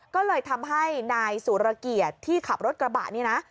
ก็เลยทำให้นายสุรเกียรติที่ขับรถกระบะนี่นะ